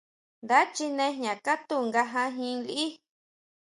Nda chine jña katú nga jajín liʼí.